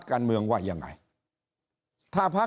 ก็มาเมืองไทยไปประเทศเพื่อนบ้านใกล้เรา